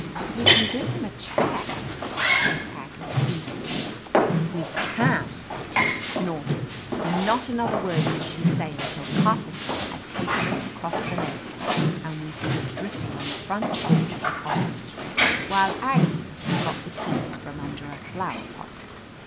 "We can give him a check," said Aggie ' feebly. "We can!" Tish snorted, and not another word did she say until Carpenter had taken us across the lake and we stood dripping on the front porch of the cottage, while Aggie got the key from under a flower pot.